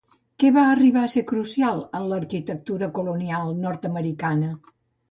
Què va arribar a ser crucial en l'arquitectura colonial nord-americana?